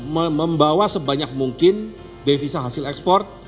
membawa sebanyak mungkin devisa hasil ekspor